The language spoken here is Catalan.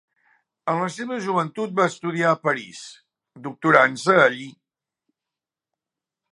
En la seva joventut va estudiar a París, doctorant-se allí.